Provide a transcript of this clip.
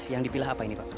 yang dipilih apa ini pak